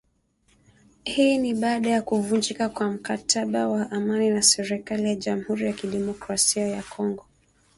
Hii ni baada ya kuvunjika kwa mkataba wa amani na serikali ya Jamhuri ya Kidemokrasia ya Kongo